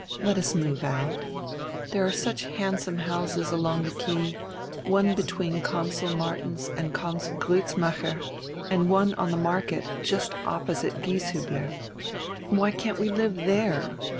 Let us move out There are such handsome houses along the quay, one be tween Consul Martens and Consul Griitzmacher, and one on the Market, just opposite Gieshiibler. Why can't we live there?